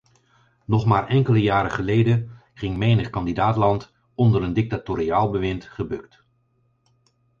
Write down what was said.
Nog maar enkele jaren geleden ging menig kandidaat-land onder een dictatoriaal bewind gebukt.